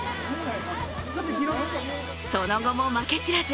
その後も負け知らず。